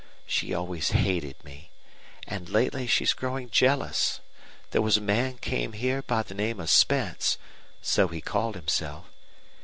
She always hated me. And lately she's growing jealous. There was' a man came here by the name of Spence so he called himself.